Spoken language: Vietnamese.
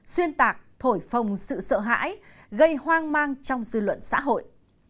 xuyên tạc thổi phồng sự sợ hãi gây hoang mang trong dư luận xã hội